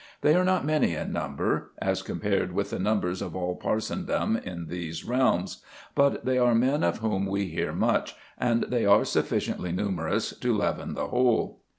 They are not many in number, as compared with the numbers of all parsondom in these realms; but they are men of whom we hear much, and they are sufficiently numerous to leaven the whole.